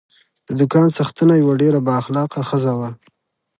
د دوکان څښتنه یوه ډېره با اخلاقه ښځه وه.